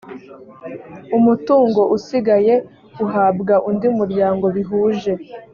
umutungo usigaye uhabwa undi muryango bihuje